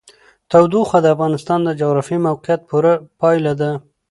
تودوخه د افغانستان د جغرافیایي موقیعت پوره پایله ده.